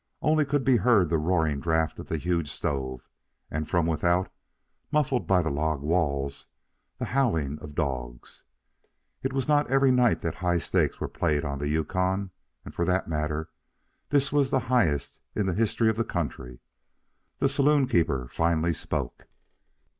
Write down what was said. Only could be heard the roaring draft of the huge stove, and from without, muffled by the log walls, the howling of dogs. It was not every night that high stakes were played on the Yukon, and for that matter, this was the highest in the history of the country. The saloon keeper finally spoke.